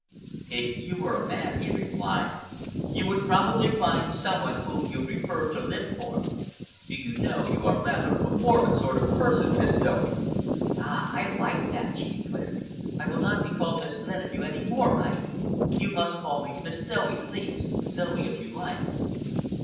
"If you were a man," he replied, "you would probably find some one whom you preferred to live for. Do you know, you are rather a morbid sort of person, Miss Zoe?" "Ah, I like that!" she declared. "I will not be called Miss Leneveu any more by you. You must call me Miss Zoe, please,—Zoe, if you like."